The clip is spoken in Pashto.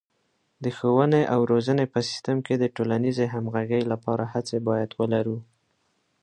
د ښوونې او روزنې په سیستم کې د ټولنیزې همغږۍ لپاره هڅې باید ولرو.